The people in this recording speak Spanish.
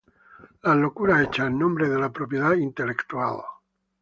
Las locuras hechas en nombre de la propiedad intelectual